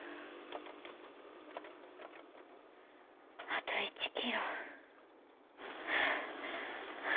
あと１キロ。